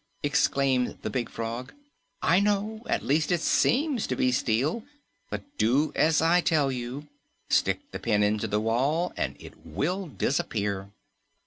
exclaimed the big frog. "I know. At least, it SEEMS to be steel, but do as I tell you. Stick the pin into the wall, and it will disappear."